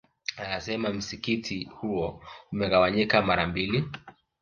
Anasema msikiti huo umegawanyika mara mbili